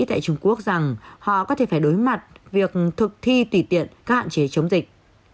tại trung quốc rằng họ có thể phải đối mặt việc thực thi tùy tiện các hạn chế chống dịch